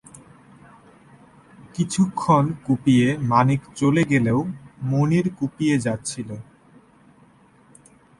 কিছুক্ষণ কুপিয়ে মানিক চলে গেলেও মনির কুপিয়ে যাচ্ছিল।